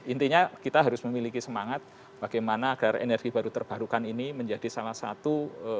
intinya kita harus memiliki semangat bagaimana agar energi baru terbarukan ini menjadi salah satu